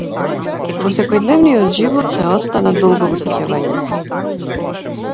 Во секојдневниот живот не остана долго во сеќавањето.